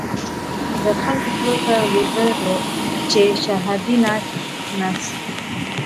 د خلکو خولو ته ولويده چې شهادي ناسنته وو.